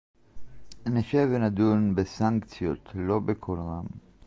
נשב ונדון בסנקציות לא בקול רם